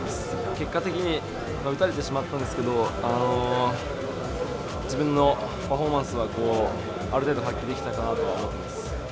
結果的に打たれてしまったんですけど、自分のパフォーマンスは、ある程度発揮できたかなとは思ってます。